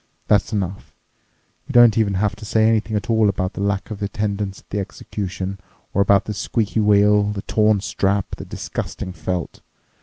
That's enough. You don't even have to say anything at all about the lack of attendance at the execution or about the squeaky wheel, the torn strap, the disgusting felt.